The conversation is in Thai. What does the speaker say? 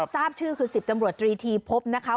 ทราบชื่อคือ๑๐ตำรวจตรีทีพบนะคะ